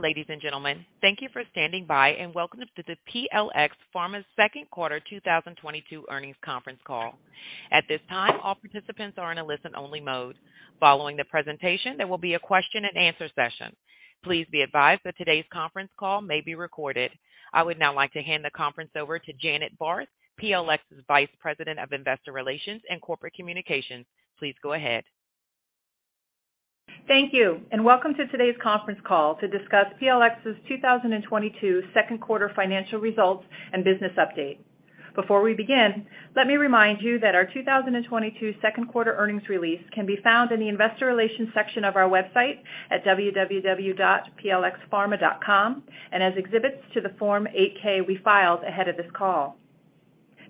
Ladies and gentlemen, thank you for standing by, and welcome to the PLx Pharma's Second Quarter 2022 Earnings Conference Call. At this time, all participants are in a listen-only mode. Following the presentation, there will be a question-and-answer session. Please be advised that today's conference call may be recorded. I would now like to hand the conference over to Janet Barth, PLx's Vice President of Investor Relations and Corporate Communications. Please go ahead. Thank you, and welcome to today's conference call to discuss PLx's 2022 second quarter financial results and business update. Before we begin, let me remind you that our 2022 second quarter earnings release can be found in the investor relations section of our website at www.plxpharma.com and as exhibits to the Form 8-K we filed ahead of this call.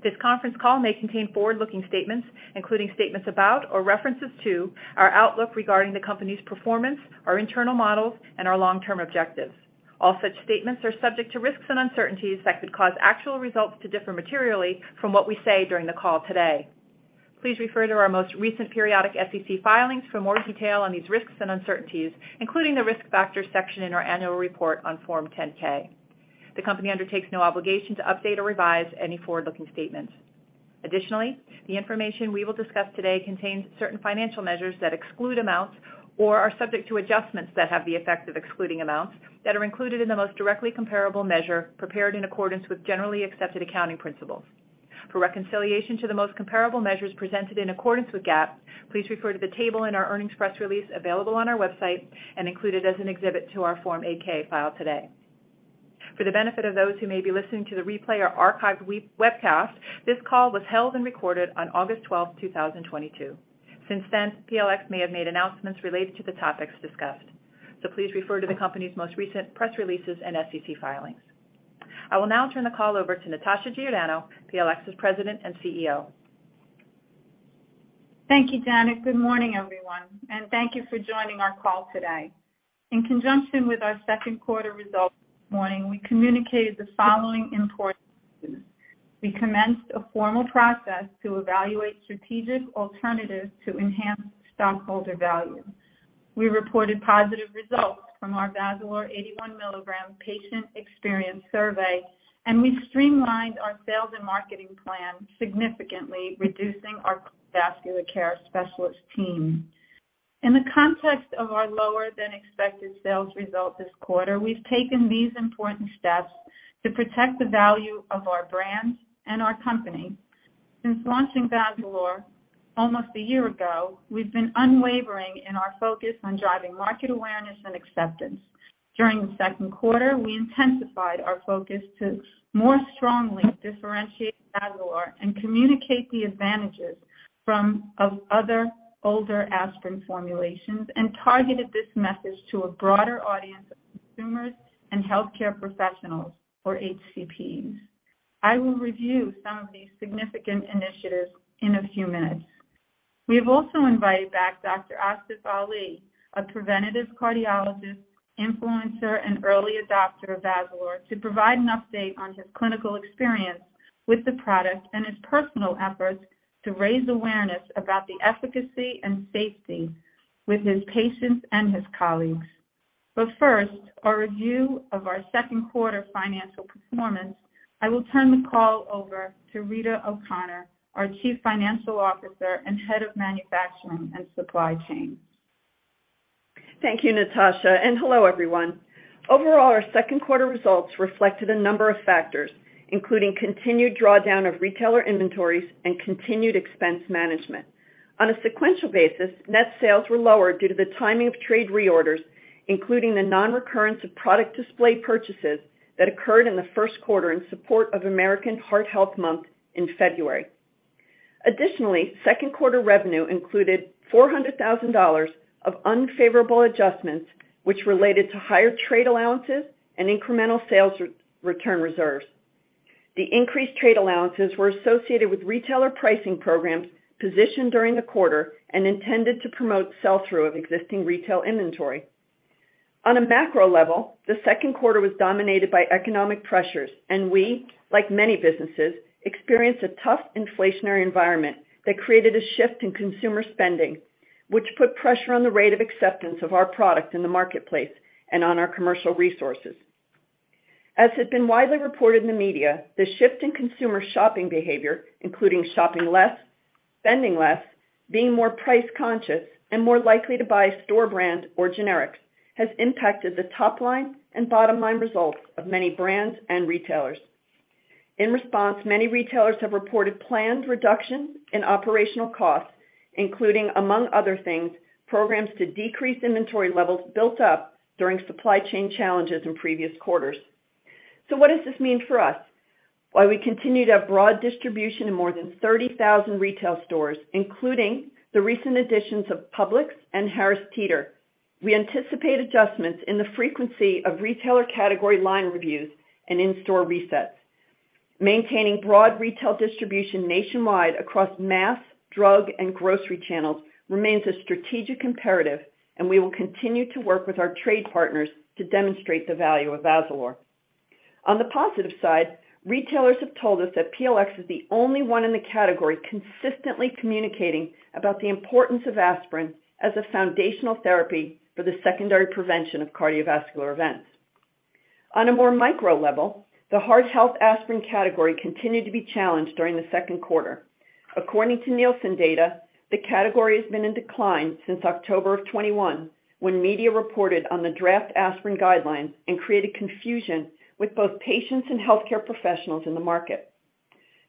This conference call may contain forward-looking statements, including statements about or references to our outlook regarding the company's performance, our internal models, and our long-term objectives. All such statements are subject to risks and uncertainties that could cause actual results to differ materially from what we say during the call today. Please refer to our most recent periodic SEC filings for more detail on these risks and uncertainties, including the Risk Factors section in our annual report on Form 10-K. The company undertakes no obligation to update or revise any forward-looking statements. Additionally, the information we will discuss today contains certain financial measures that exclude amounts or are subject to adjustments that have the effect of excluding amounts that are included in the most directly comparable measure prepared in accordance with generally accepted accounting principles. For reconciliation to the most comparable measures presented in accordance with GAAP, please refer to the table in our earnings press release available on our website and included as an exhibit to our Form 8-K filed today. For the benefit of those who may be listening to the replay or archived webcast, this call was held and recorded on August 12, 2022. Since then, PLx may have made announcements related to the topics discussed, so please refer to the company's most recent press releases and SEC filings. I will now turn the call over to Natasha Giordano, PLx's President and CEO. Thank you, Janet. Good morning, everyone, and thank you for joining our call today. In conjunction with our second quarter results this morning, we communicated the following important items. We commenced a formal process to evaluate strategic alternatives to enhance stockholder value. We reported positive results from our Vazalore 81-milligram patient experience survey, and we streamlined our sales and marketing plan, significantly reducing our vascular care specialist team. In the context of our lower-than-expected sales result this quarter, we've taken these important steps to protect the value of our brands and our company. Since launching Vazalore almost a year ago, we've been unwavering in our focus on driving market awareness and acceptance. During the second quarter, we intensified our focus to more strongly differentiate Vazalore and communicate the advantages of other older aspirin formulations and targeted this message to a broader audience of consumers and healthcare professionals or HCPs. I will review some of these significant initiatives in a few minutes. We have also invited back Dr. Asif Ali, a preventative cardiologist, influencer, and early adopter of Vazalore, to provide an update on his clinical experience with the product and his personal efforts to raise awareness about the efficacy and safety with his patients and his colleagues. First, our review of our second quarter financial performance. I will turn the call over to Rita O'Connor, our Chief Financial Officer and Head of Manufacturing and Supply Chain. Thank you, Natasha, and hello, everyone. Overall, our second quarter results reflected a number of factors, including continued drawdown of retailer inventories and continued expense management. On a sequential basis, net sales were lower due to the timing of trade reorders, including the non-recurrence of product display purchases that occurred in the first quarter in support of American Heart Month in February. Additionally, second quarter revenue included $400,000 of unfavorable adjustments which related to higher trade allowances and incremental sales return reserves. The increased trade allowances were associated with retailer pricing programs positioned during the quarter and intended to promote sell-through of existing retail inventory. On a macro level, the second quarter was dominated by economic pressures, and we, like many businesses, experienced a tough inflationary environment that created a shift in consumer spending, which put pressure on the rate of acceptance of our product in the marketplace and on our commercial resources. As has been widely reported in the media, the shift in consumer shopping behavior, including shopping less, spending less, being more price-conscious, and more likely to buy store brand or generics, has impacted the top-line and bottom-line results of many brands and retailers. In response, many retailers have reported planned reductions in operational costs, including, among other things, programs to decrease inventory levels built up during supply chain challenges in previous quarters. What does this mean for us? While we continue to have broad distribution in more than 30,000 retail stores, including the recent additions of Publix and Harris Teeter, we anticipate adjustments in the frequency of retailer category line reviews and in-store resets. Maintaining broad retail distribution nationwide across mass, drug, and grocery channels remains a strategic imperative, and we will continue to work with our trade partners to demonstrate the value of Vazalore. On the positive side, retailers have told us that PLX is the only one in the category consistently communicating about the importance of aspirin as a foundational therapy for the secondary prevention of cardiovascular events. On a more micro level, the heart health aspirin category continued to be challenged during the second quarter. According to Nielsen data, the category has been in decline since October of 2021, when media reported on the draft aspirin guidelines and created confusion with both patients and healthcare professionals in the market.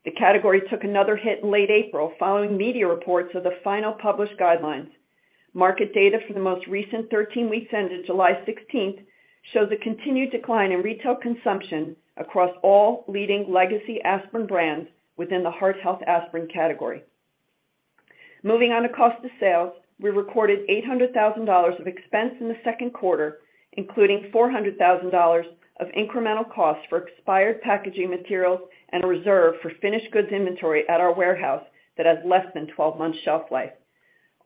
The category took another hit in late April following media reports of the final published guidelines. Market data for the most recent 13 weeks ended July 16 shows a continued decline in retail consumption across all leading legacy aspirin brands within the heart health aspirin category. Moving on to cost of sales. We recorded $800,000 of expense in the second quarter, including $400,000 of incremental costs for expired packaging materials and a reserve for finished goods inventory at our warehouse that has less than 12 months shelf life.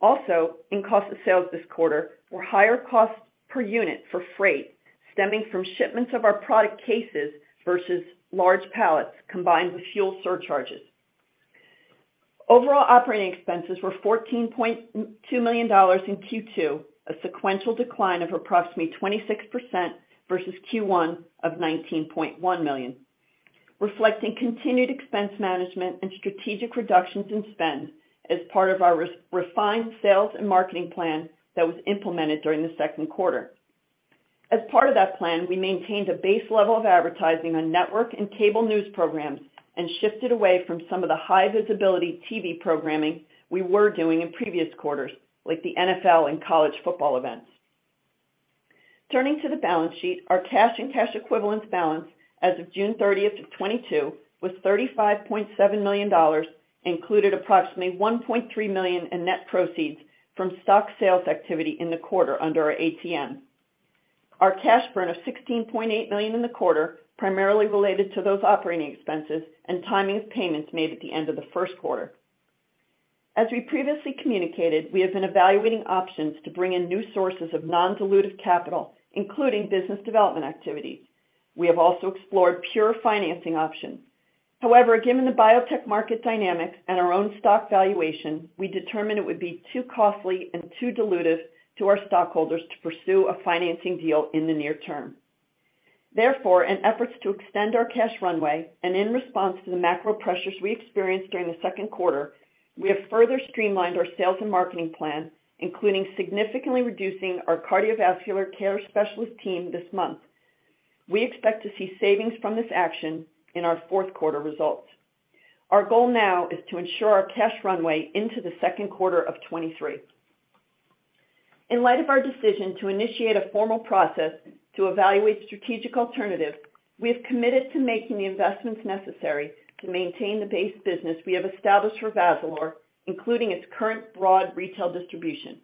In cost of sales this quarter were higher costs per unit for freight stemming from shipments of our product cases versus large pallets combined with fuel surcharges. Overall operating expenses were $14.2 million in Q2, a sequential decline of approximately 26% versus Q1 of $19.1 million, reflecting continued expense management and strategic reductions in spend as part of our revised sales and marketing plan that was implemented during the second quarter. As part of that plan, we maintained a base level of advertising on network and cable news programs and shifted away from some of the high visibility TV programming we were doing in previous quarters, like the NFL and college football events. Turning to the balance sheet, our cash and cash equivalents balance as of June 30, 2022 was $35.7 million and included approximately $1.3 million in net proceeds from stock sales activity in the quarter under our ATM. Our cash burn of $16.8 million in the quarter was primarily related to those operating expenses and timing of payments made at the end of the first quarter. We previously communicated that we have been evaluating options to bring in new sources of non-dilutive capital, including business development activities. We have also explored pure financing options. However, given the biotech market dynamics and our own stock valuation, we determined it would be too costly and too dilutive to our stockholders to pursue a financing deal in the near term. Therefore, in efforts to extend our cash runway and in response to the macro pressures we experienced during the second quarter, we have further streamlined our sales and marketing plan, including significantly reducing our cardiovascular care specialist team this month. We expect to see savings from this action in our fourth quarter results. Our goal now is to ensure our cash runway into the second quarter of 2023. In light of our decision to initiate a formal process to evaluate strategic alternatives, we have committed to making the investments necessary to maintain the base business we have established for Vazalore, including its current broad retail distribution.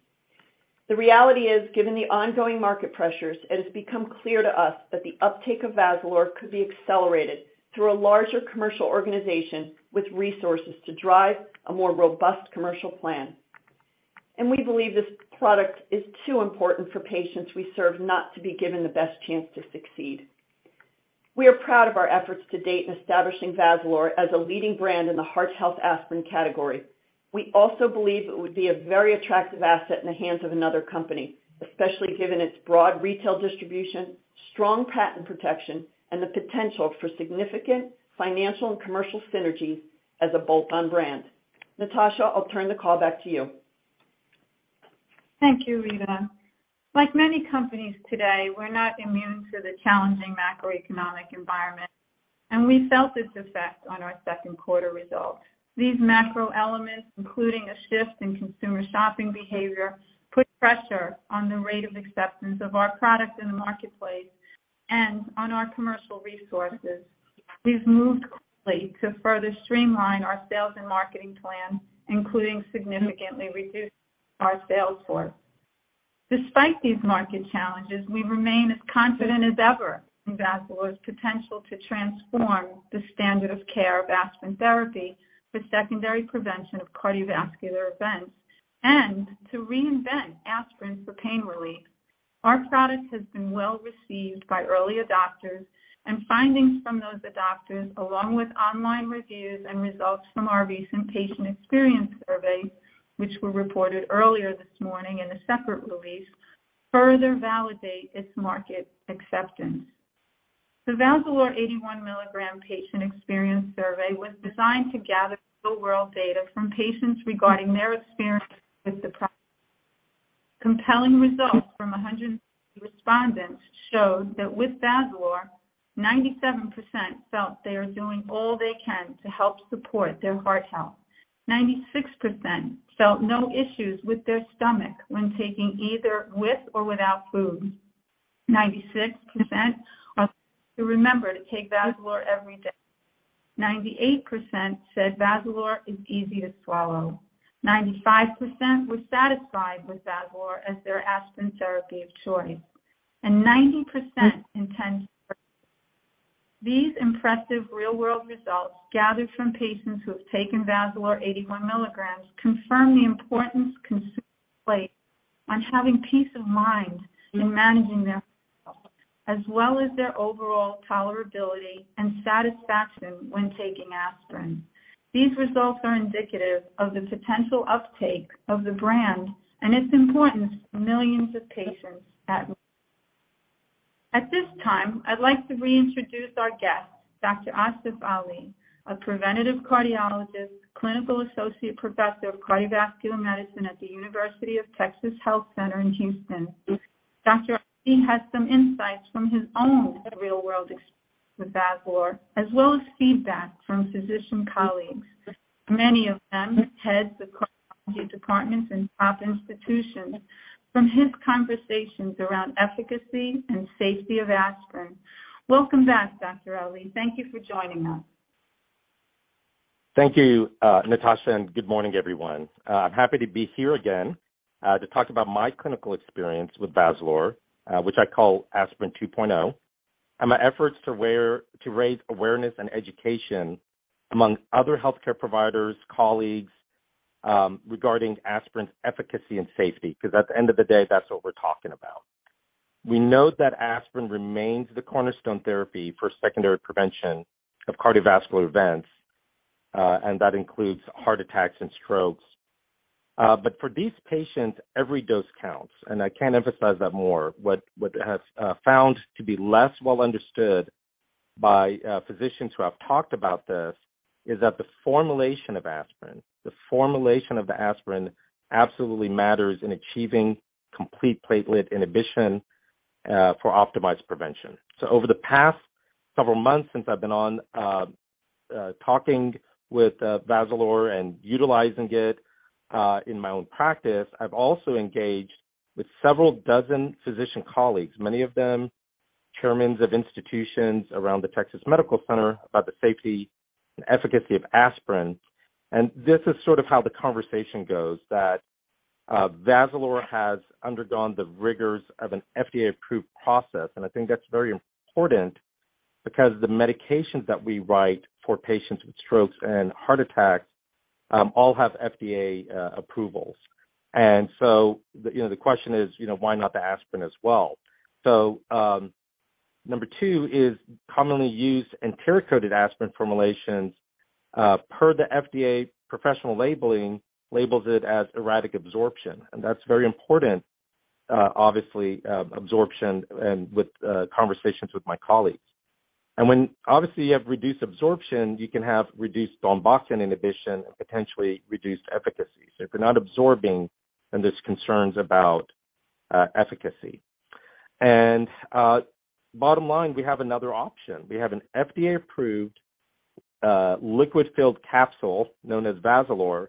The reality is, given the ongoing market pressures, it has become clear to us that the uptake of Vazalore could be accelerated through a larger commercial organization with resources to drive a more robust commercial plan. We believe this product is too important for patients we serve not to be given the best chance to succeed. We are proud of our efforts to date in establishing Vazalore as a leading brand in the heart health aspirin category. We also believe it would be a very attractive asset in the hands of another company, especially given its broad retail distribution, strong patent protection, and the potential for significant financial and commercial synergies as a bolt-on brand. Natasha, I'll turn the call back to you. Thank you, Rita. Like many companies today, we're not immune to the challenging macroeconomic environment, and we felt this effect on our second quarter results. These macro elements, including a shift in consumer shopping behavior, put pressure on the rate of acceptance of our product in the marketplace and on our commercial resources. We've moved quickly to further streamline our sales and marketing plan, including significantly reducing our sales force. Despite these market challenges, we remain as confident as ever in Vazalore's potential to transform the standard of care of aspirin therapy for secondary prevention of cardiovascular events and to reinvent aspirin for pain relief. Our product has been well received by early adopters, and findings from those adopters, along with online reviews and results from our recent patient experience survey, which were reported earlier this morning in a separate release, further validate its market acceptance. The Vazalore 81 milligram patient experience survey was designed to gather real-world data from patients regarding their experience with the product. Compelling results from 100 respondents showed that with Vazalore, 97% felt they are doing all they can to help support their heart health. 96% felt no issues with their stomach when taking either with or without food. 96% were able to remember to take Vazalore every day. 98% said Vazalore is easy to swallow. 95% were satisfied with Vazalore as their aspirin therapy of choice. 90% intend to. These impressive real-world results gathered from patients who have taken Vazalore 81 milligrams confirm the importance consumers place on having peace of mind in managing their health as well as their overall tolerability and satisfaction when taking aspirin. These results are indicative of the potential uptake of the brand and its importance to millions of patients. At this time, I'd like to reintroduce our guest, Dr. Asif Ali, a preventative cardiologist, clinical associate professor of cardiovascular medicine at the University of Texas Health Science Center at Houston. Dr. Ali has some insights from his own real-world experience with Vazalore, as well as feedback from physician colleagues, many of them heads of cardiology departments and top institutions from his conversations around efficacy and safety of aspirin. Welcome back, Dr. Ali. Thank you for joining us. Thank you, Natasha, and good morning, everyone. I'm happy to be here again, to talk about my clinical experience with Vazalore, which I call Aspirin 2.0, and my efforts to raise awareness and education among other healthcare providers, colleagues, regarding aspirin's efficacy and safety, 'cause at the end of the day, that's what we're talking about. We know that aspirin remains the cornerstone therapy for secondary prevention of cardiovascular events, and that includes heart attacks and strokes. For these patients, every dose counts, and I can't emphasize that more. What has found to be less well understood by physicians who have talked about this is that the formulation of aspirin absolutely matters in achieving complete platelet inhibition, for optimized prevention. Over the past several months since I've been on, talking with Vazalore and utilizing it in my own practice, I've also engaged with several dozen physician colleagues, many of them chairmen of institutions around the Texas Medical Center, about the safety and efficacy of aspirin. This is sort of how the conversation goes that Vazalore has undergone the rigors of an FDA-approved process, and I think that's very important because the medications that we write for patients with strokes and heart attacks all have FDA approvals. You know, the question is, you know, why not the aspirin as well? Number two is commonly used enteric-coated aspirin formulations per the FDA professional labeling labels it as erratic absorption, and that's very important, obviously, absorption and with conversations with my colleagues. When obviously you have reduced absorption, you can have reduced thromboxane inhibition and potentially reduced efficacy. If you're not absorbing, then there's concerns about efficacy. Bottom line, we have another option. We have an FDA-approved liquid-filled capsule known as Vazalore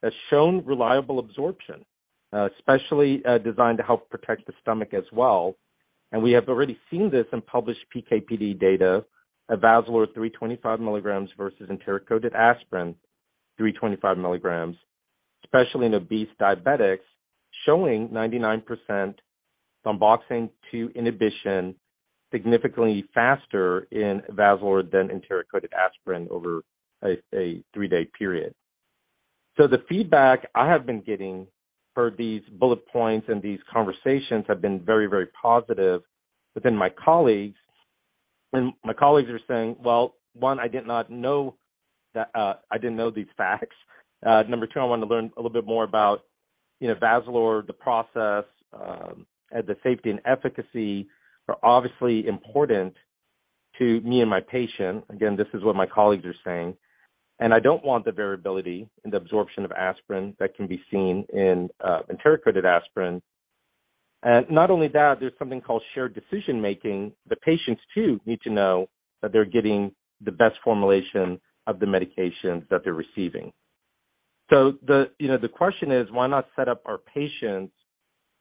that's shown reliable absorption, especially designed to help protect the stomach as well. We have already seen this in published PK/PD data of Vazalore 325 milligrams versus enteric-coated aspirin 325 milligrams, especially in obese diabetics, showing 99% thromboxane A2 inhibition significantly faster in Vazalore than enteric-coated aspirin over a three-day period. The feedback I have been getting per these bullet points and these conversations have been very, very positive within my colleagues. My colleagues are saying, "Well, one, I did not know that, I didn't know these facts. Number two, I wanna learn a little bit more about, you know, Vazalore, the process, the safety and efficacy are obviously important to me and my patient. Again, this is what my colleagues are saying. "I don't want the variability in the absorption of aspirin that can be seen in, enteric-coated aspirin. Not only that, there's something called shared decision-making. The patients too need to know that they're getting the best formulation of the medications that they're receiving." The, you know, the question is, why not set up our patients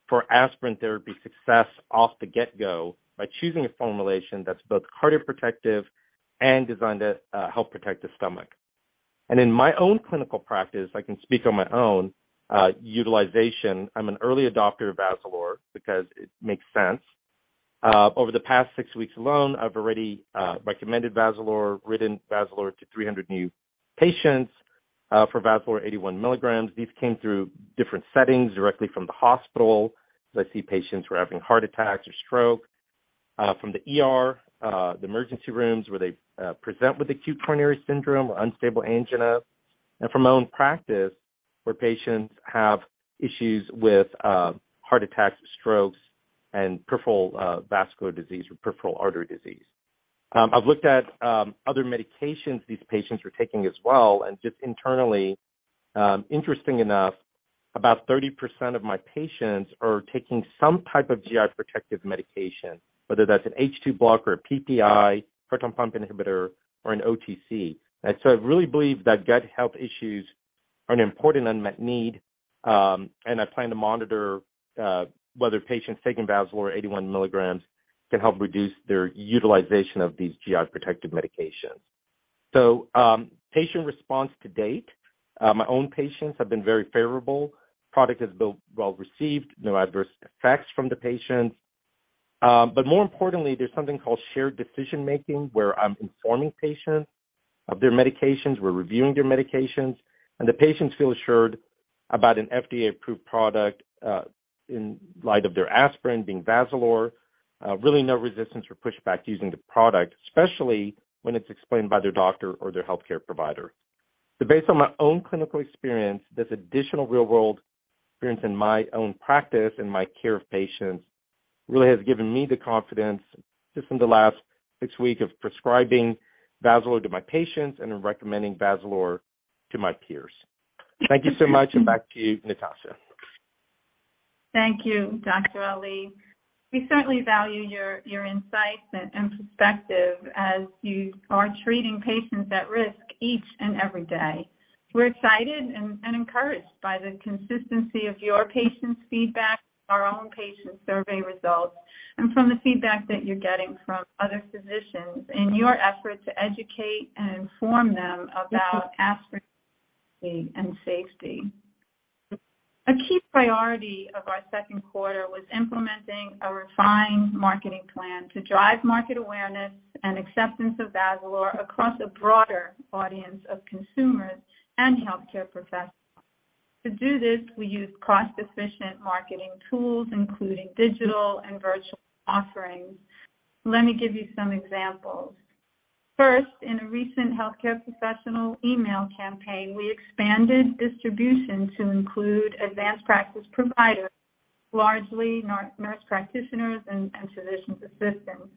for aspirin therapy success off the get-go by choosing a formulation that's both cardioprotective and designed to, help protect the stomach? In my own clinical practice, I can speak on my own, utilization. I'm an early adopter of Vazalore because it makes sense. Over the past six weeks alone, I've already recommended Vazalore, written Vazalore to 300 new patients, for Vazalore 81 milligrams. These came through different settings directly from the hospital. I see patients who are having heart attacks or stroke from the ER, the emergency rooms where they present with acute coronary syndrome or unstable angina. From my own practice where patients have issues with heart attacks or strokes and peripheral vascular disease or peripheral artery disease. I've looked at other medications these patients were taking as well and just internally, interestingly enough, about 30% of my patients are taking some type of GI protective medication, whether that's an H2 blocker, a PPI, proton pump inhibitor, or an OTC. I really believe that gut health issues are an important unmet need, and I plan to monitor whether patients taking Vazalore 81 milligrams can help reduce their utilization of these GI protective medications. Patient response to date. My own patients have been very favorable. Product is built well received. No adverse effects from the patients. More importantly, there's something called shared decision-making, where I'm informing patients of their medications, we're reviewing their medications, and the patients feel assured about an FDA-approved product, in light of their aspirin being Vazalore. Really no resistance or pushback to using the product, especially when it's explained by their doctor or their healthcare provider. Based on my own clinical experience, this additional real-world experience in my own practice and my care of patients really has given me the confidence, just in the last six weeks of prescribing Vazalore to my patients and in recommending Vazalore to my peers. Thank you so much, and back to you, Natasha. Thank you, Dr. Ali. We certainly value your insights and perspective as you are treating patients at risk each and every day. We're excited and encouraged by the consistency of your patients' feedback, our own patient survey results, and from the feedback that you're getting from other physicians in your effort to educate and inform them about aspirin and safety. A key priority of our second quarter was implementing a refined marketing plan to drive market awareness and acceptance of Vazalore across a broader audience of consumers and healthcare professionals. To do this, we used cost-efficient marketing tools, including digital and virtual offerings. Let me give you some examples. First, in a recent healthcare professional email campaign, we expanded distribution to include advanced practice providers, largely nurse practitioners and physician assistants.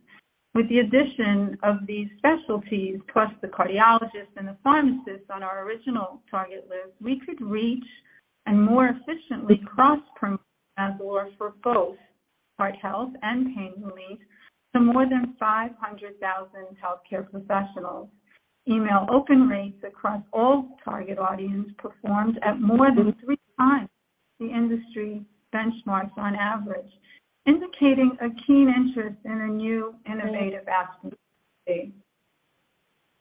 With the addition of these specialties, plus the cardiologists and the pharmacists on our original target list, we could reach and more efficiently cross-promote Vazalore for both heart health and pain relief to more than 500,000 healthcare professionals. Email open rates across all target audience performed at more than three times the industry benchmarks on average, indicating a keen interest in a new innovative aspirin.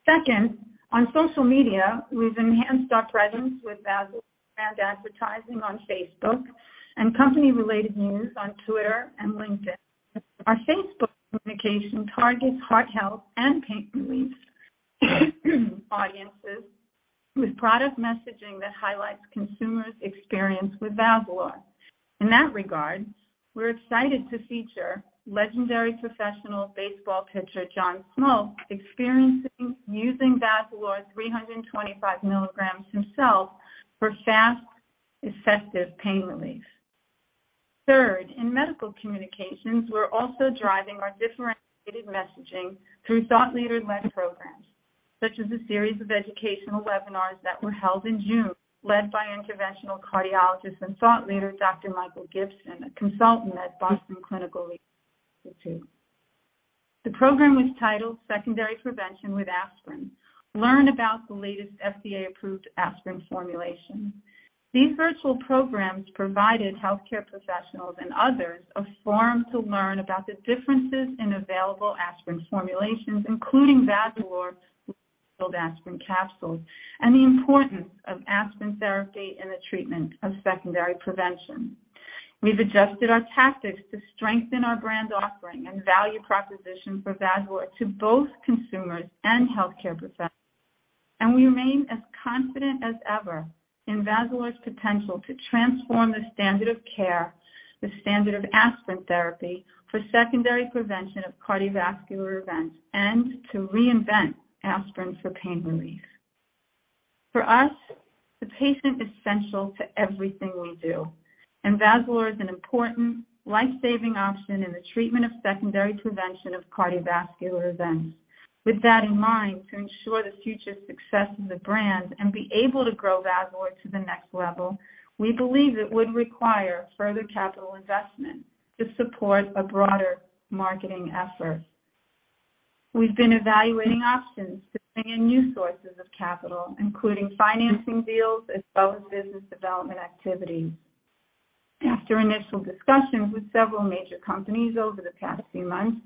Second, on social media, we've enhanced our presence with Vazalore brand advertising on Facebook and company-related news on Twitter and LinkedIn. Our Facebook communication targets heart health and pain relief audiences with product messaging that highlights consumers' experience with Vazalore. In that regard, we're excited to feature legendary professional baseball pitcher John Smoltz experiencing using Vazalore 325 milligrams himself for fast, effective pain relief. Third, in medical communications, we're also driving our differentiated messaging through thought leader-led programs, such as a series of educational webinars that were held in June, led by Interventional Cardiologist and thought leader, Dr. C. Michael Gibson, a consultant at Baim Institute for Clinical Research. The program was titled Secondary Prevention with Aspirin: Learn About the Latest FDA-Approved Aspirin Formulations. These virtual programs provided healthcare professionals and others a forum to learn about the differences in available aspirin formulations, including Vazalore, liquid-filled aspirin capsules, and the importance of aspirin therapy in the treatment of secondary prevention. We've adjusted our tactics to strengthen our brand offering and value proposition for Vazalore to both consumers and healthcare professionals. We remain as confident as ever in Vazalore's potential to transform the standard of care, the standard of aspirin therapy for secondary prevention of cardiovascular events, and to reinvent aspirin for pain relief. For us, the patient is central to everything we do, and Vazalore is an important life-saving option in the treatment of secondary prevention of cardiovascular events. With that in mind, to ensure the future success of the brand and be able to grow Vazalore to the next level, we believe it would require further capital investment to support a broader marketing effort. We've been evaluating options to bring in new sources of capital, including financing deals as well as business development activities. After initial discussions with several major companies over the past few months,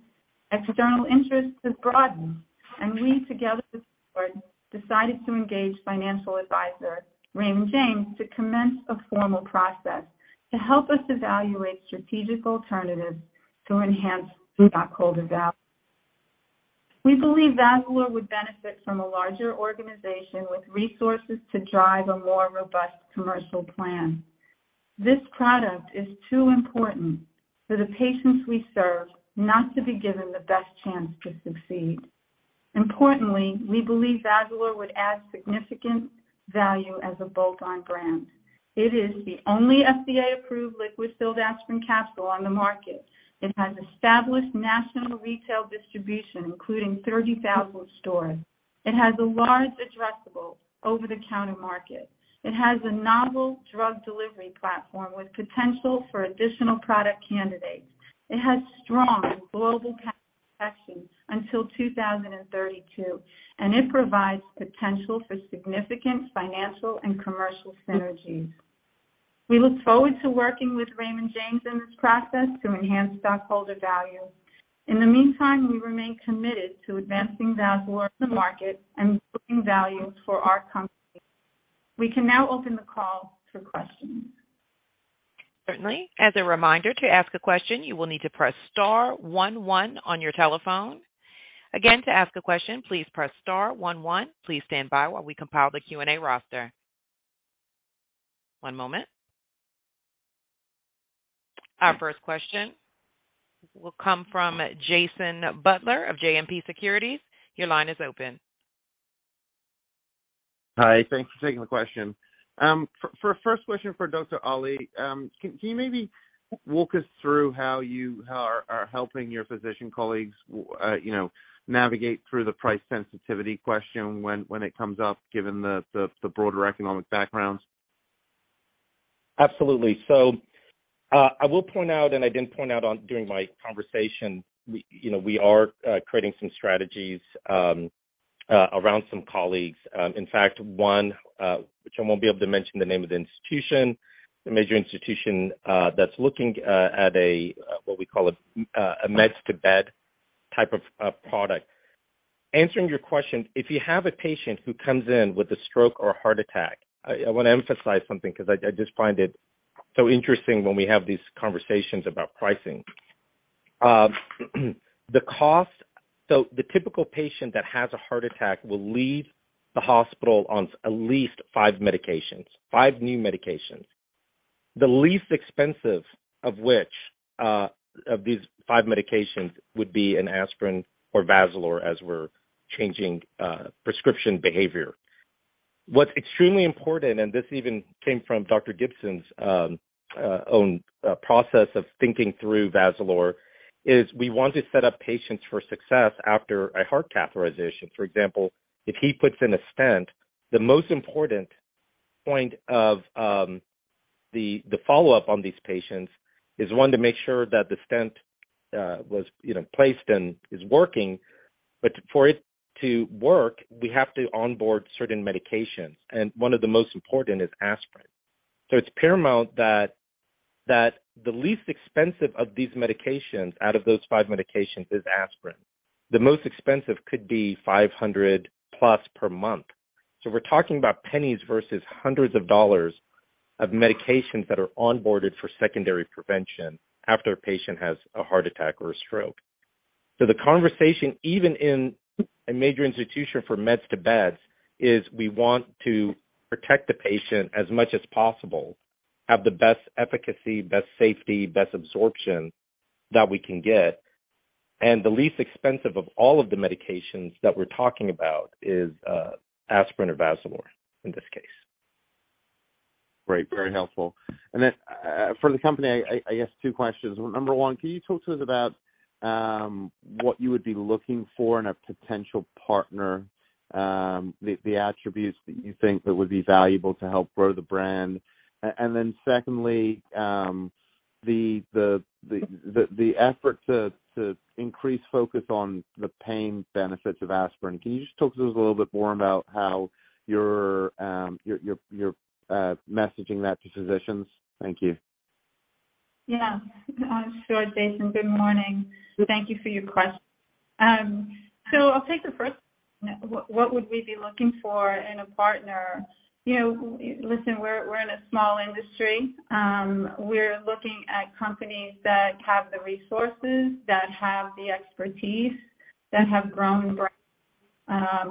external interest has broadened, and we together with the board decided to engage financial advisor Raymond James to commence a formal process to help us evaluate strategic alternatives to enhance shareholder value. We believe Vazalore would benefit from a larger organization with resources to drive a more robust commercial plan. This product is too important for the patients we serve not to be given the best chance to succeed. Importantly, we believe Vazalore would add significant value as a bolt-on brand. It is the only FDA-approved liquid-filled aspirin capsule on the market. It has established national retail distribution, including 30,000 stores. It has a large addressable over-the-counter market. It has a novel drug delivery platform with potential for additional product candidates. It has strong global patent protection until 2032, and it provides potential for significant financial and commercial synergies. We look forward to working with Raymond James in this process to enhance stockholder value. In the meantime, we remain committed to advancing Vazalore to market and creating value for our company. We can now open the call for questions. Certainly. As a reminder, to ask a question, you will need to press star one one on your telephone. Again, to ask a question, please press star one one. Please stand by while we compile the Q&A roster. One moment. Our first question will come from Jason Butler of JMP Securities. Your line is open. Hi. Thanks for taking the question. For a first question for Dr. Ali, can you maybe walk us through how you are helping your physician colleagues, you know, navigate through the price sensitivity question when it comes up given the broader economic backgrounds? Absolutely. I will point out and I didn't point out during my conversation, we, you know, we are creating some strategies around some colleagues. In fact, one which I won't be able to mention the name of the institution, a major institution, that's looking at what we call a meds to bed type of a product. Answering your question, if you have a patient who comes in with a stroke or heart attack, I wanna emphasize something 'cause I just find it so interesting when we have these conversations about pricing. The cost. The typical patient that has a heart attack will leave the hospital on at least five medications, five new medications. The least expensive of which, of these five medications would be an aspirin or Vazalore as we're changing prescription behavior. What's extremely important, and this even came from Dr. Gibson's own process of thinking through Vazalore, is we want to set up patients for success after a heart catheterization. For example, if he puts in a stent, the most important point of the follow-up on these patients is, one, to make sure that the stent was, you know, placed and is working. For it to work, we have to onboard certain medications, and one of the most important is aspirin. It's paramount that the least expensive of these medications out of those five medications is aspirin. The most expensive could be $500+ per month. We're talking about pennies versus hundreds of dollars of medications that are onboarded for secondary prevention after a patient has a heart attack or a stroke. The conversation, even in a major institution for meds to beds, is we want to protect the patient as much as possible, have the best efficacy, best safety, best absorption that we can get, and the least expensive of all of the medications that we're talking about is aspirin or Vazalore in this case. Great. Very helpful. For the company, I guess two questions. Number one, can you talk to us about what you would be looking for in a potential partner, the attributes that you think that would be valuable to help grow the brand? Secondly, the effort to increase focus on the pain benefits of aspirin, can you just talk to us a little bit more about how you're messaging that to physicians? Thank you. Yeah. Sure, Jason. Good morning. Thank you for your question. So I'll take the first. What would we be looking for in a partner? You know, listen, we're in a small industry. We're looking at companies that have the resources, that have the expertise, that have grown brands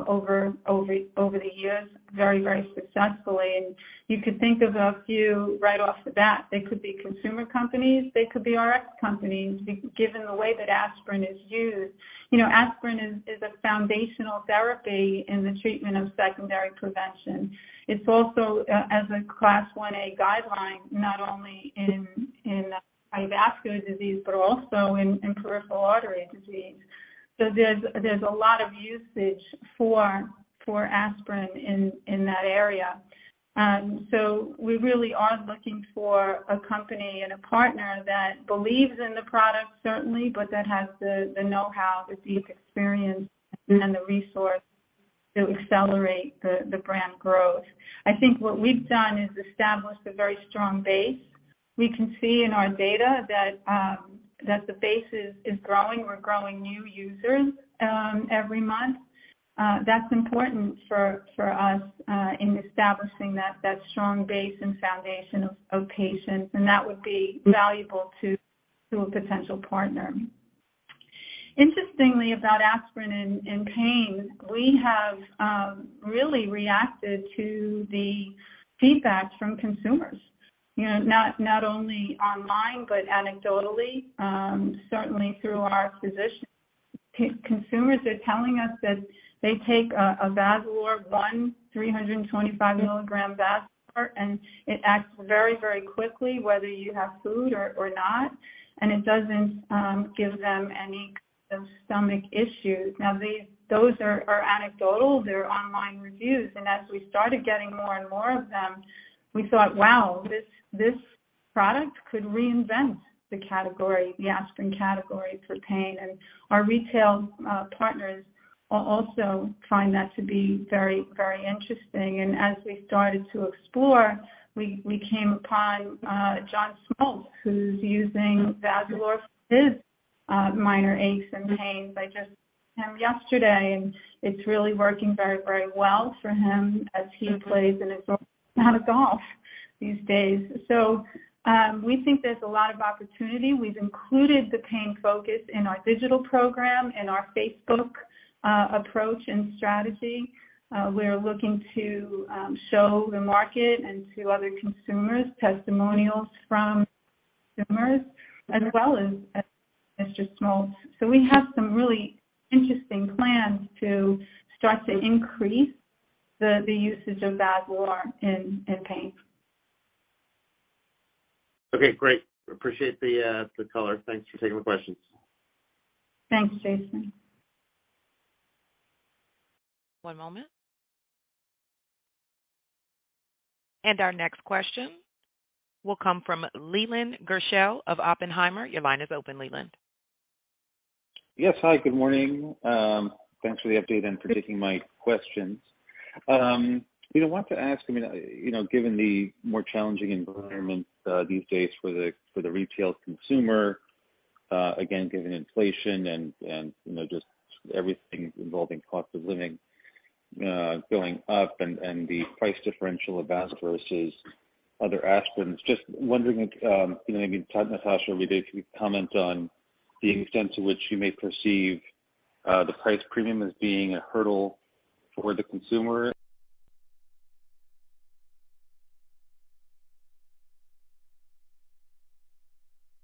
over the years very successfully. You could think of a few right off the bat. They could be consumer companies. They could be RX companies given the way that aspirin is used. You know, aspirin is a foundational therapy in the treatment of secondary prevention. It's also as a Class I A guideline, not only in cardiovascular disease but also in peripheral artery disease. There's a lot of usage for aspirin in that area. We really are looking for a company and a partner that believes in the product, certainly, but that has the know-how, the deep experience and the resource to accelerate the brand growth. I think what we've done is established a very strong base. We can see in our data that the base is growing. We're growing new users every month. That's important for us in establishing that strong base and foundation of patients, and that would be valuable to a potential partner. Interestingly about aspirin and pain, we have really reacted to the feedback from consumers, you know, not only online, but anecdotally, certainly through our physicians. Consumers are telling us that they take a 325-milligram Vazalore, and it acts very, very quickly whether you have food or not. It doesn't give them any stomach issues. Those are anecdotal. They're online reviews. As we started getting more and more of them, we thought, "Wow, this product could reinvent the category, the aspirin category for pain." Our retail partners also find that to be very, very interesting. As we started to explore, we came upon John Smoltz who's using Vazalore for his minor aches and pains. I just met him yesterday, and it's really working very, very well for him as he plays an inordinate amount of golf these days. We think there's a lot of opportunity. We've included the pain focus in our digital program, in our Facebook approach and strategy. We're looking to show the market and to other consumers testimonials from consumers as well as John Smoltz. We have some really interesting plans to start to increase the usage of Vazalore in pain. Okay, great. Appreciate the color. Thanks for taking the questions. Thanks, Jason. One moment. Our next question will come from Leland Gershell of Oppenheimer. Your line is open, Leland. Yes. Hi, good morning. Thanks for the update and for taking my questions. You know, wanted to ask, I mean, you know, given the more challenging environment these days for the retail consumer, again, given inflation and, you know, just everything involving cost of living going up and the price differential of Vazalore versus other aspirins, just wondering if, you know, maybe Natasha, if you could comment on the extent to which you may perceive the price premium as being a hurdle for the consumer.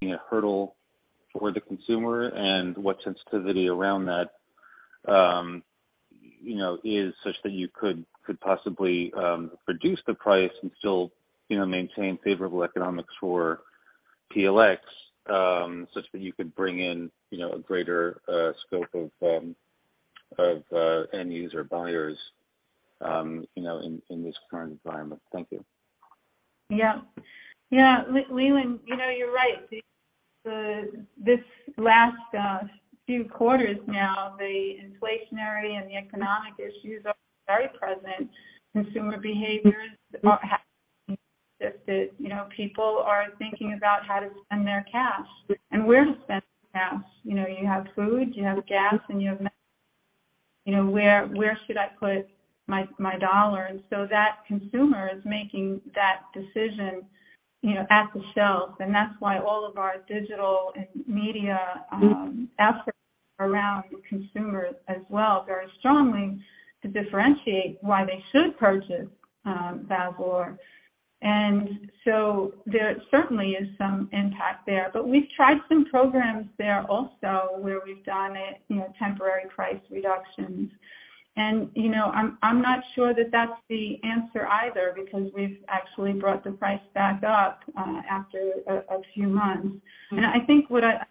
Being a hurdle for the consumer and what sensitivity around that, you know, is such that you could possibly reduce the price and still, you know, maintain favorable economics for PLX, such that you could bring in, you know, a greater scope of end user buyers, you know, in this current environment. Thank you. Yeah. Yeah. Leland, you know, you're right. This last few quarters now, the inflationary and the economic issues are very present. Consumer behaviors are, you know, people are thinking about how to spend their cash and where to spend their cash. You know, you have food, you have gas, and you have. You know, where should I put my dollar? That consumer is making that decision, you know, at the shelf. That's why all of our digital and media efforts around consumers as well very strongly to differentiate why they should purchase Vazalore. There certainly is some impact there, but we've tried some programs there also where we've done it, you know, temporary price reductions. You know, I'm not sure that that's the answer either because we've actually brought the price back up after a few months. I think what I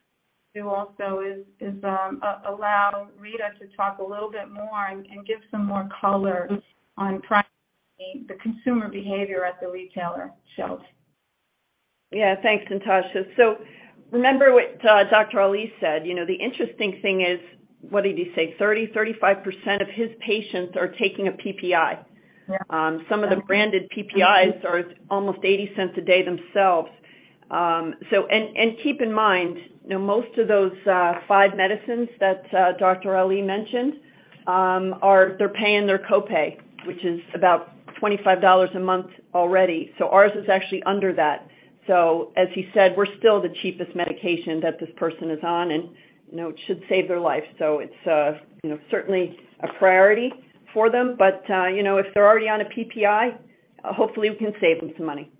do also is allow Rita to talk a little bit more and give some more color on pricing, the consumer behavior at the retailer shelves. Yeah. Thanks, Natasha. Remember what Dr. Asif Ali said. You know, the interesting thing is, what did he say? 30-35% of his patients are taking a PPI. Yeah. Some of the branded PPIs are almost $0.80 a day themselves. And keep in mind, you know, most of those five medicines that Dr. Ali mentioned, they're paying their copay, which is about $25 a month already. Ours is actually under that. As he said, we're still the cheapest medication that this person is on and, you know, it should save their life. It's, you know, certainly a priority for them. You know, if they're already on a PPI, hopefully we can save them some money.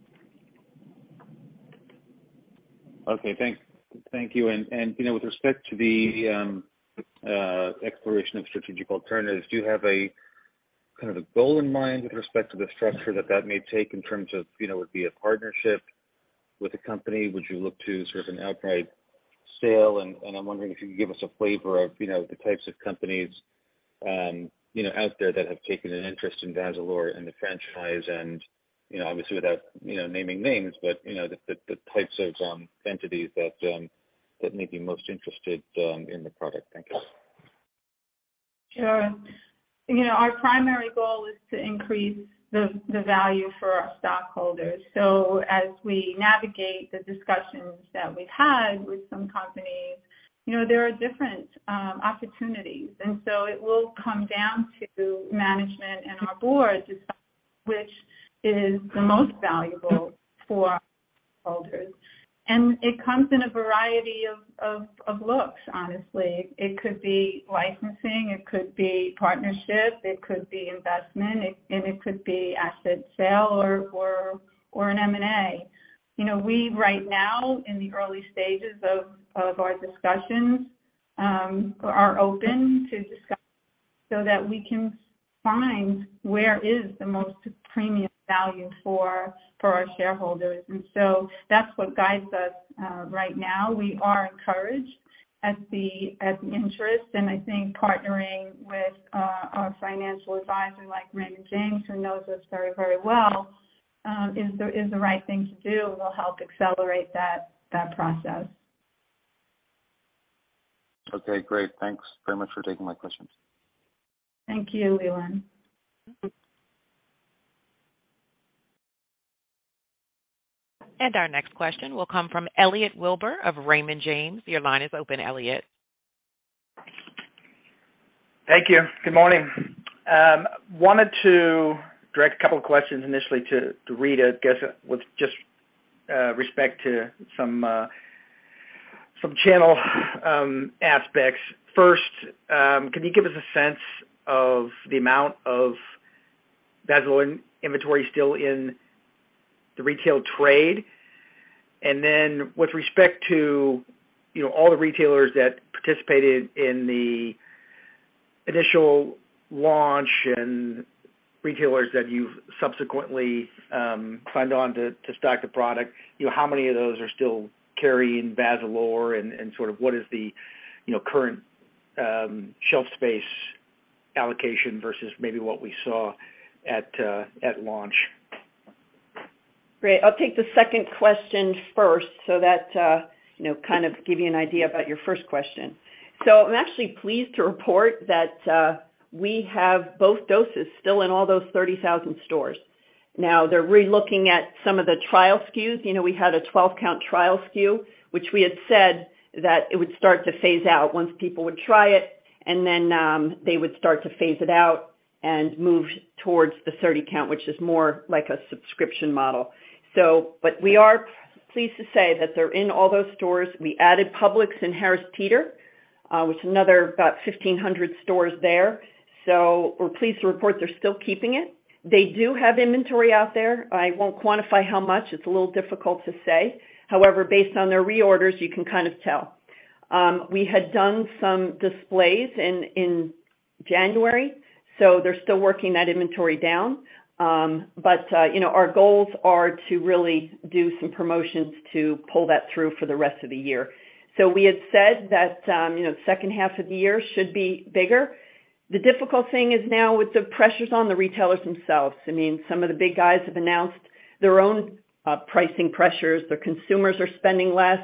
Okay, thanks. Thank you. You know, with respect to the exploration of strategic alternatives, do you have a kind of a goal in mind with respect to the structure that may take in terms of, you know, would it be a partnership with a company? Would you look to sort of an outright sale? I'm wondering if you could give us a flavor of, you know, the types of companies, you know, out there that have taken an interest in Vazalore and the franchise and, you know, obviously without, you know, naming names, but you know, the types of entities that may be most interested in the product. Thank you. Sure. You know, our primary goal is to increase the value for our stockholders. As we navigate the discussions that we've had with some companies, you know, there are different opportunities. It will come down to management and our board to decide which is the most valuable for stockholders. It comes in a variety of looks, honestly. It could be licensing, it could be partnership, it could be investment, and it could be asset sale or an M&A. You know, we right now in the early stages of our discussions are open to discuss so that we can find where is the most premium value for our shareholders. That's what guides us right now. We are encouraged at the interest, and I think partnering with a financial advisor like Raymond James who knows us very well is the right thing to do, will help accelerate that process. Okay, great. Thanks very much for taking my questions. Thank you, Leland. Our next question will come from Elliott Wilbur of Raymond James. Your line is open, Elliott. Thank you. Good morning. Wanted to direct a couple of questions initially to Rita, I guess, with just respect to some channel aspects. First, can you give us a sense of the amount of Vazalore inventory still in the retail trade? And then with respect to, you know, all the retailers that participated in the initial launch and retailers that you've subsequently signed on to stock the product, you know, how many of those are still carrying Vazalore and sort of what is the, you know, current shelf space allocation versus maybe what we saw at launch? Great. I'll take the second question first so that, you know, kind of give you an idea about your first question. I'm actually pleased to report that we have both doses still in all those 30,000 stores. Now, they're relooking at some of the trial SKUs. You know, we had a 12-count trial SKU, which we had said that it would start to phase out once people would try it, and then, they would start to phase it out and move towards the 30 count, which is more like a subscription model. We are pleased to say that they're in all those stores. We added Publix and Harris Teeter, which another about 1,500 stores there. We're pleased to report they're still keeping it. They do have inventory out there. I won't quantify how much. It's a little difficult to say. However, based on their reorders, you can kind of tell. We had done some displays in January, so they're still working that inventory down. Our goals are to really do some promotions to pull that through for the rest of the year. We had said that, you know, second half of the year should be bigger. The difficult thing is now with the pressures on the retailers themselves. I mean, some of the big guys have announced their own pricing pressures. The consumers are spending less,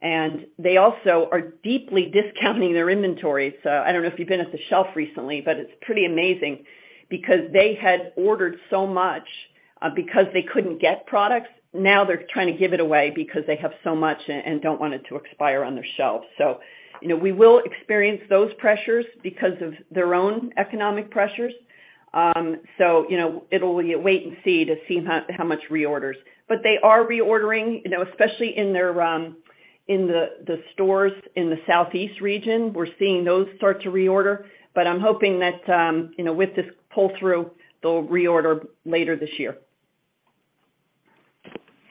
and they also are deeply discounting their inventory. I don't know if you've been at the shelf recently, but it's pretty amazing because they had ordered so much because they couldn't get products. Now they're trying to give it away because they have so much and don't want it to expire on their shelves. You know, we will experience those pressures because of their own economic pressures. You know, it's wait and see to see how much reorders. They are reordering, you know, especially in the stores in the Southeast region. We're seeing those start to reorder. I'm hoping that, you know, with this pull-through, they'll reorder later this year.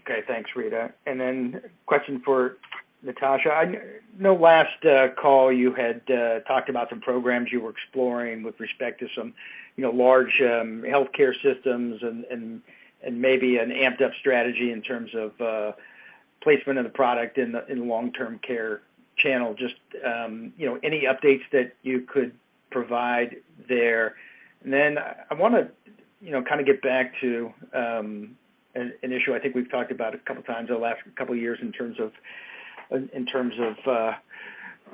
Okay. Thanks, Rita. Question for Natasha. I know last call you had talked about some programs you were exploring with respect to some you know large healthcare systems and maybe an amped up strategy in terms of placement of the product in long-term care channel. Just you know any updates that you could provide there. I wanna you know kinda get back to an issue I think we've talked about a couple times in the last couple years in terms of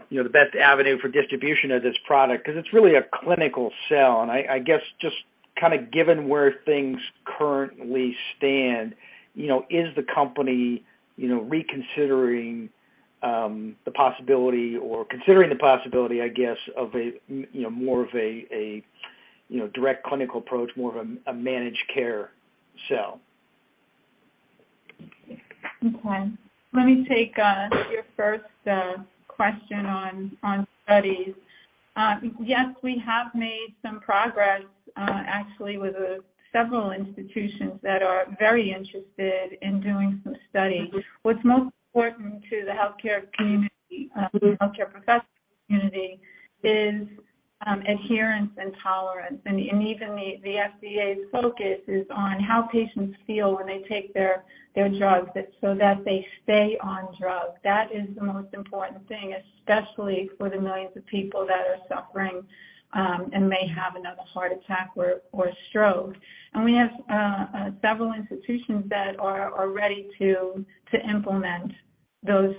you know the best avenue for distribution of this product 'cause it's really a clinical sell. I guess just kinda given where things currently stand, you know, is the company, you know, reconsidering the possibility or considering the possibility, I guess, of a, you know, more of a direct clinical approach, more of a managed care sell? Okay. Let me take your first question on studies. Yes, we have made some progress, actually with several institutions that are very interested in doing some study. What's most important to the healthcare community, the healthcare professional community is adherence and tolerance. Even the FDA's focus is on how patients feel when they take their drugs, it's so that they stay on drug. That is the most important thing, especially for the millions of people that are suffering and may have another heart attack or stroke. We have several institutions that are ready to implement those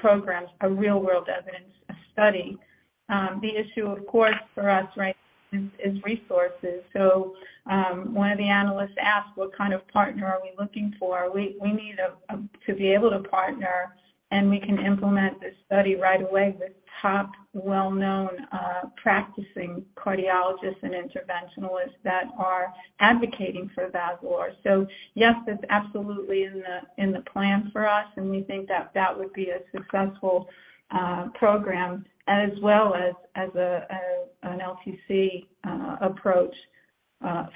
programs, a real-world evidence study. The issue, of course, for us right now is resources. One of the analysts asked, what kind of partner are we looking for? We need to be able to partner, and we can implement this study right away with top well-known practicing cardiologists and interventionalists that are advocating for Vazalore. Yes, it's absolutely in the plan for us, and we think that would be a successful program as well as an LTC approach,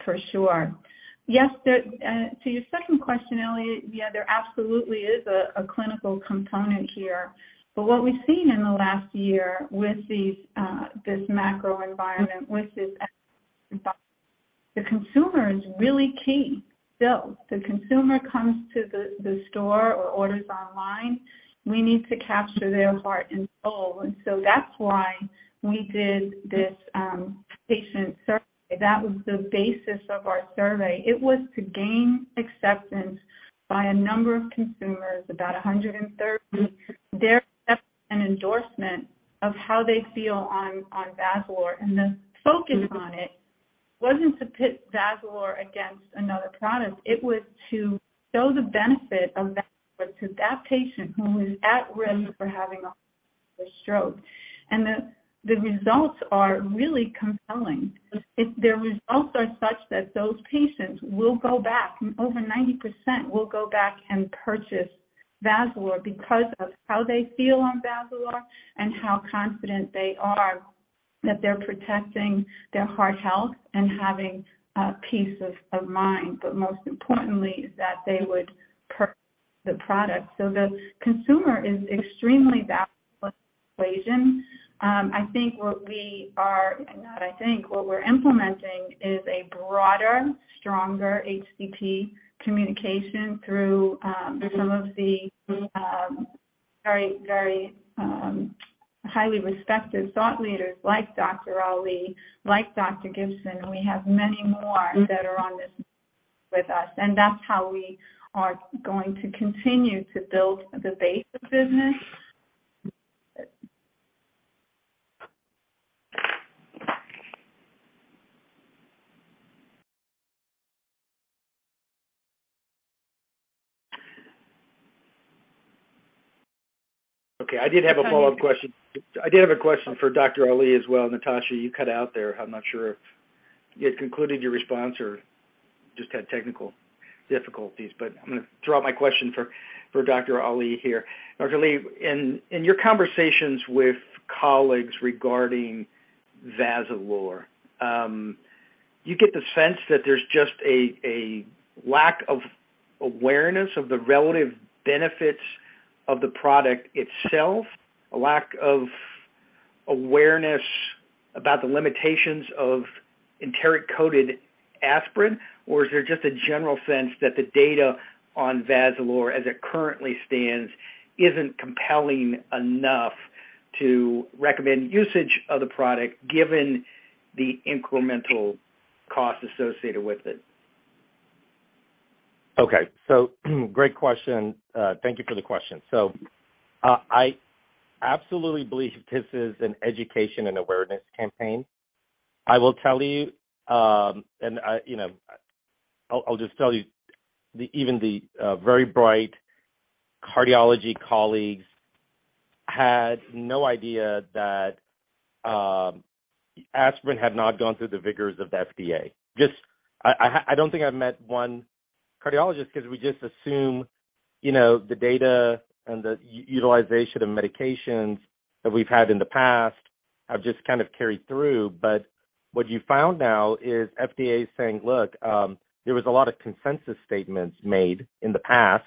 for sure. Yes, to your second question, Elliott, yeah, there absolutely is a clinical component here. But what we've seen in the last year with this macro environment with the consumer is really key. So if the consumer comes to the store or orders online, we need to capture their heart and soul. That's why we did this patient survey. That was the basis of our survey. It was to gain acceptance by a number of consumers, about 130. Their acceptance and endorsement of how they feel on Vazalore and the focus on it wasn't to pit Vazalore against another product. It was to show the benefit of that to that patient who is at risk for having a stroke. The results are really compelling. If the results are such that those patients will go back, over 90% will go back and purchase Vazalore because of how they feel on Vazalore and how confident they are that they're protecting their heart health and having peace of mind, but most importantly is that they would purchase the product. The consumer is extremely valuable equation. What we're implementing is a broader, stronger HCP communication through some of the very highly respected thought leaders like Dr. Ali, like Dr. Gibson, and we have many more that are on this with us, and that's how we are going to continue to build the base of business. Okay. I did have a follow-up question. I did have a question for Dr. Ali as well. Natasha, you cut out there. I'm not sure if you had concluded your response or just had technical difficulties, but I'm gonna throw out my question for Dr. Ali here. Dr. Ali, in your conversations with colleagues regarding Vazalore, you get the sense that there's just a lack of awareness of the relative benefits of the product itself, a lack of awareness about the limitations of enteric-coated aspirin. Or is there just a general sense that the data on Vazalore, as it currently stands, isn't compelling enough to recommend usage of the product given the incremental cost associated with it? Okay, great question. Thank you for the question. I absolutely believe this is an education and awareness campaign. I will tell you know, I'll just tell you, even the very bright cardiology colleagues had no idea that aspirin had not gone through the rigors of the FDA. Just, I don't think I've met one cardiologist because we just assume, you know, the data and the utilization of medications that we've had in the past have just kind of carried through. What you found now is FDA is saying, look, there was a lot of consensus statements made in the past,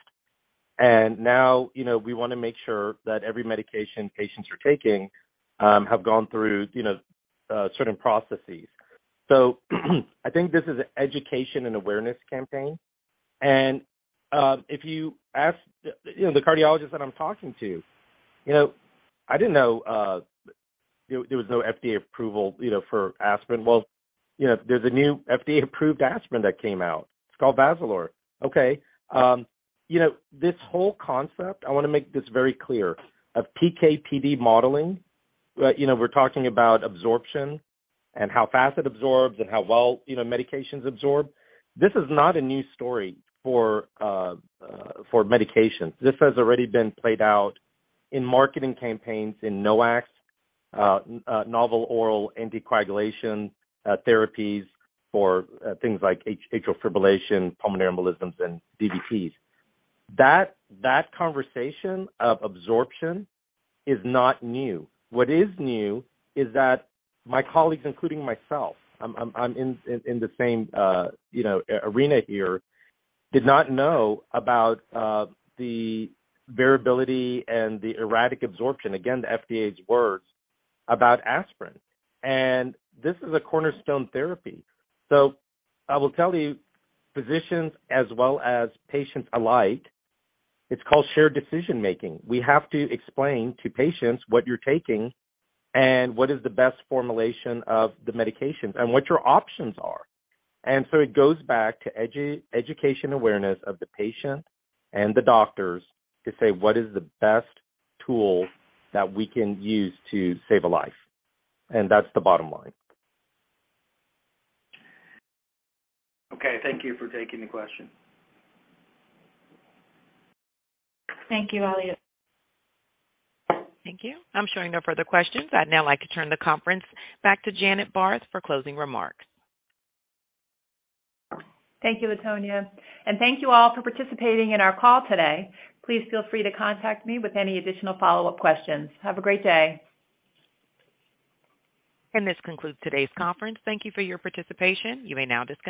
and now, you know, we wanna make sure that every medication patients are taking have gone through, you know, certain processes. I think this is an education and awareness campaign. If you ask, you know, the cardiologist that I'm talking to, you know, I didn't know there was no FDA approval, you know, for aspirin. Well, you know, there's a new FDA-approved aspirin that came out. It's called Vazalore. Okay. You know, this whole concept, I wanna make this very clear, of PK/PD modeling. You know, we're talking about absorption and how fast it absorbs and how well, you know, medications absorb. This is not a new story for medications. This has already been played out in marketing campaigns in NOACs, novel oral anticoagulation therapies for things like atrial fibrillation, pulmonary embolisms, and DVTs. That conversation of absorption is not new. What is new is that my colleagues, including myself, I'm in the same, you know, arena here, did not know about the variability and the erratic absorption, again, the FDA's words about aspirin. This is a cornerstone therapy. I will tell you, physicians as well as patients alike, it's called shared decision-making. We have to explain to patients what you're taking and what is the best formulation of the medications and what your options are. It goes back to education awareness of the patient and the doctors to say, what is the best tool that we can use to save a life? That's the bottom line. Okay. Thank you for taking the question. Thank you, Ali. Thank you. I'm showing no further questions. I'd now like to turn the conference back to Janet Barth for closing remarks. Thank you, Latonia. Thank you all for participating in our call today. Please feel free to contact me with any additional follow-up questions. Have a great day. This concludes today's conference. Thank you for your participation. You may now disconnect.